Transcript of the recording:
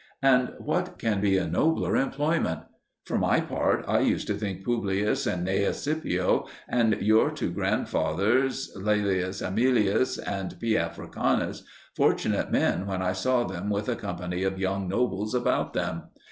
And what can be a nobler employment? For my part, I used to think Publius and Gnaeus Scipio and your two grandfathers, L. Aemilius and P. Africanus, fortunate men when I saw them with a company of young nobles about them.